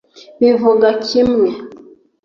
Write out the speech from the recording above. Bivuga kimwe